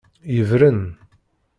Yebren.